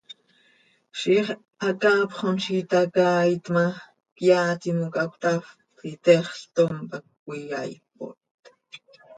Ziix hacaapxom z itacaiit ma, cyaa timoca cötafp, itexl, tom pac cöyaaipot.